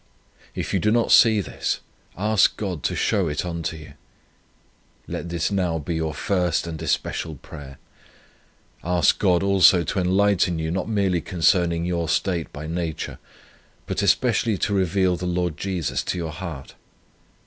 If you do not see this, ask God to show it unto you. Let this now be your first and especial prayer. Ask God also to enlighten you not merely concerning your state by nature, but especially to reveal the Lord Jesus to your heart.